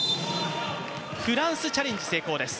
フランス、チャレンジ成功です。